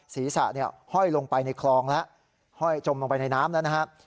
ศีรษะห้อยลงไปในคลองแล้วห้อยจมลงไปในน้ำแล้วนะครับ